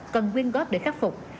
cần quyên góp để khắc phục